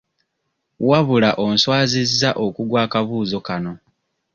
Wabula onswazizza okugwa akabuuzo kano.